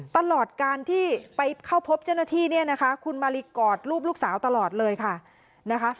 ตลอดการที่ไปเข้าพบเจ้าหน้าที่คุณมารีกอดรูปลูกสาวตลอดเลยค่ะ